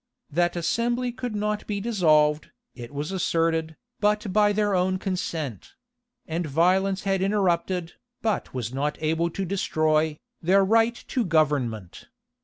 That assembly could not be dissolved, it was asserted, but by their own consent; and violence had interrupted, but was not able to destroy, their right to government.